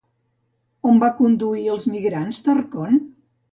On va conduir els migrants, Tarcont?